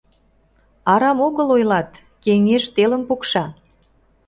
Арам огыл ойлат: «Кеҥеж телым пукша».